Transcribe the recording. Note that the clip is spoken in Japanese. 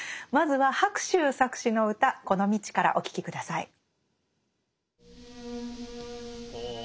まずは白秋作詞の歌「この道」からお聴き下さい。